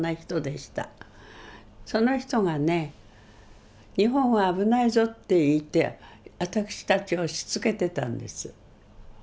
その人がね「日本は危ないぞ」って言って私たちをしつけてたんです。